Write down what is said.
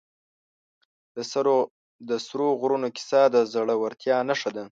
د سرو غرونو کیسه د زړه ورتیا نښه ده.